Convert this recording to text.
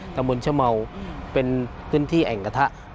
ตำบลชะเมาเป็นพื้นที่แอ่งกระทะ